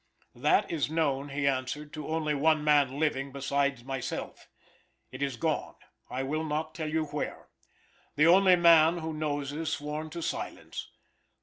"That is known" he answered, "to only one man living besides myself. It is gone. I will not tell you where. The only man who knows is sworn to silence.